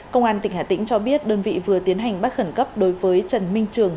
công an tỉnh hà tĩnh cho biết đơn vị vừa tiến hành bắt khẩn cấp đối với trần minh trường